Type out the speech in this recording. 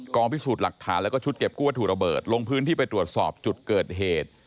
พิสูจน์หลักฐานแล้วก็ชุดเก็บกู้วัตถุระเบิดลงพื้นที่ไปตรวจสอบจุดเกิดเหตุ